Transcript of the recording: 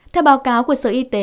theo báo cáo của sở y tế